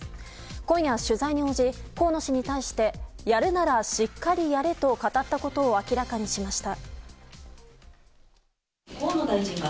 今夜、取材に応じ河野氏に対してやるならしっかりやれと語ったことを明らかにしました。